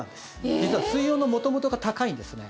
実は水温の元々が高いんですね。